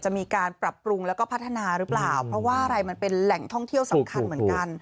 จะมีการปรับปรุงแล้วก็พัฒนาหรือเปล่าเพราะว่าอะไรมันเป็นแหล่งท่องเที่ยวสำคัญเหมือนกัน